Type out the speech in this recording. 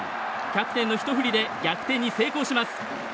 キャプテンのひと振りで逆転に成功します。